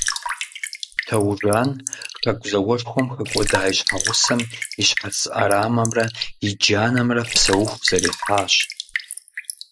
Таужан хэку зауэшхуэм хэкӏуэдэ и щхьэгъусэм и щхьэц ӏэрамэмрэ и джанэмрэ псэуху зэриыхьащ.